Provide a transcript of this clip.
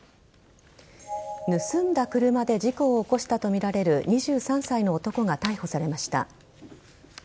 盗んだ車で事故を起こしたとみられる２３歳の男が逮捕されました。